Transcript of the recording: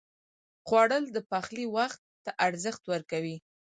خوړل د پخلي وخت ته ارزښت ورکوي